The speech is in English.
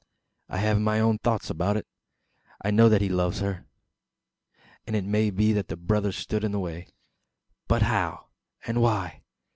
"I have my own thoughts about it. I know that he loves her; and it may be that the brother stood in his way. "But how, and why?